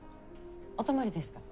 お泊まりですか？